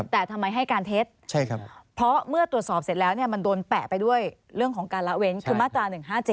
แต่ทำไมให้การเท็จเพราะเมื่อตรวจสอบเสร็จแล้วมันโดนแปะไปด้วยเรื่องของการละเว้นคือมาตรา๑๕๗